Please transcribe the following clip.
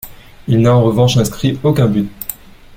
Il n'a en revanche inscrit aucun but.